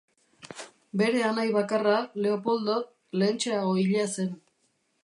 Bere anai bakarra, Leopoldo, lehentxeago hila zen.